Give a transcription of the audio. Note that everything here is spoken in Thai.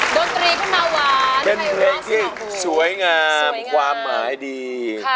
ดนตรีขึ้นมาหวานเป็นเพลงที่สวยงามความหมายดี